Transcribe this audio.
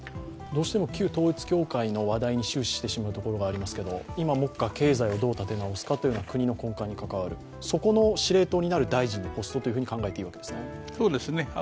どうしても旧統一教会の話題に終始してしまうところがありますが今、目下、経済をどう立て直すかというのは国の根幹に関わる、そこの司令塔になる大臣、ポストと考えていいわけですね？